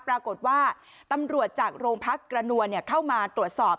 ปรากฏว่าตำรวจจากโรงพักกระนวลเข้ามาตรวจสอบ